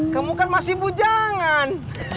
kamu kan masih bujangan